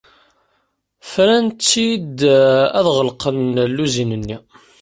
Fran-tt-id ad ɣelqen lluzin-nni.